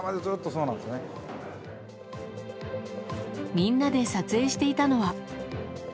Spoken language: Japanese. みんなで撮影していたのは。